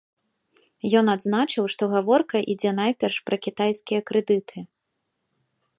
Ён адзначыў, што гаворка ідзе найперш пра кітайскія крэдыты.